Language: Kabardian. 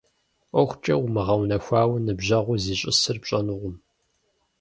ӀуэхукӀэ умыгъэунэхуауэ ныбжьэгъур зищӀысыр пщӀэнукъым.